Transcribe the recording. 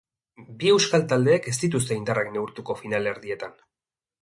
Bi euskal taldeek ez dituzte indarrak neurtuko finalerdietan.